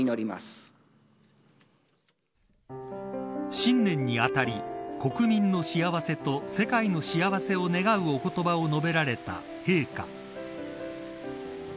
新年に当たり国民の幸せと世界の幸せを願うお言葉を述べられた陛下。